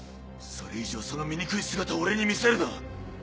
それ以上その醜い姿を俺に見せるな。